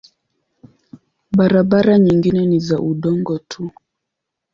Barabara nyingine ni za udongo tu.